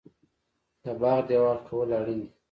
د باغ دیوال کول اړین دي؟